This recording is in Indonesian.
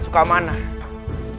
kita akan menggempurkan sukamana